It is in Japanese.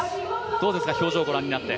どうですか、表情をご覧になって？